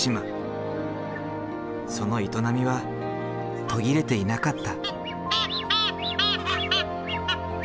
その営みは途切れていなかった。